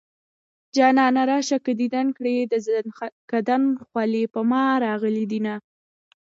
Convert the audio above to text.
جانانه راشه که ديدن کړي د زنکدن خولې په ما راغلي دينه